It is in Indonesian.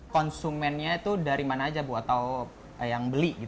konsumennya itu dari mana aja bu atau yang beli